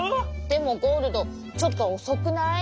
でもゴールドちょっとおそくない？